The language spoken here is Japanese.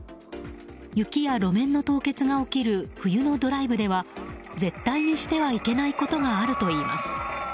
雪や路面の凍結が起きる冬のドライブでは絶対にしてはいけないことがあるといいます。